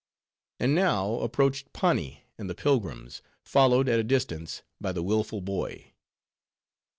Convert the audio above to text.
And now approached Pani and the pilgrims; followed, at a distance, by the willful boy.